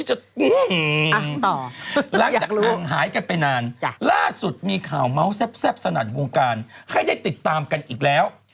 หลังจากห่างหายกันไปนานล่าสุดมีข่าวเมาส์แซ่บสนั่นวงการให้ได้ติดตามกันอีกแล้ว